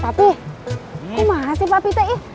papih emang masih papih tuh ih